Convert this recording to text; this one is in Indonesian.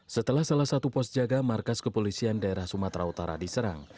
setelah salah satu pos jaga markas kepolisian daerah sumatera utara diserang